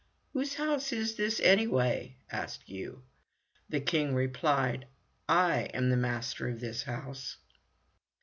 "Whose house is this, anyway?" asked Yoo. The King replied, "I am the master of this house."